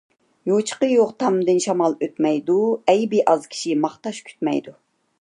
يوچۇقى يوق تامدىن شامال ئۆتمەيدۇ، ئەيىبى ئاز كىشى ماختاش كۈتمەيدۇ.